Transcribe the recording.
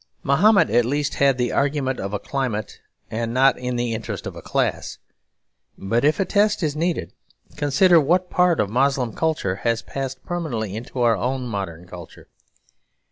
Mahomet at least had the argument of a climate and not the interest of a class. But if a test is needed, consider what part of Moslem culture has passed permanently into our own modern culture.